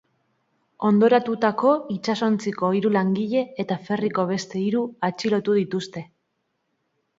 Hondoratutako itsasontziko hiru langile eta ferryko beste hiru atxilotu dituzte.